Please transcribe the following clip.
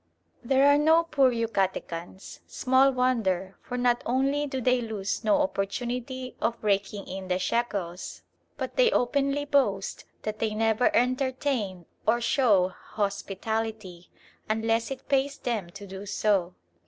There are no poor Yucatecans. Small wonder: for not only do they lose no opportunity of raking in the shekels, but they openly boast that they never entertain or show hospitality, unless it pays them to do so.